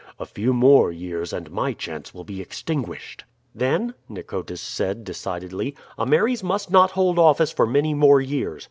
A few more years and my chance will be extinguished." "Then," Nicotis said decidedly, "Ameres must not hold office for many more years.